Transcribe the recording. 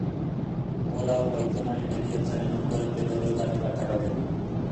Bola hau aitonaren heriotzaren ondoren bere oroigarri bakarra dena.